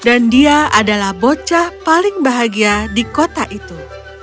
dia adalah bocah paling bahagia di kota itu